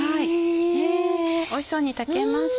ねぇおいしそうに炊けました。